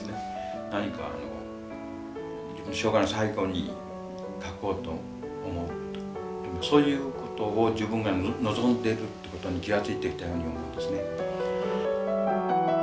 何かあの自分の生涯の最後に書こうと思うとそういうことを自分が望んでるってことに気が付いてきたように思うんですね。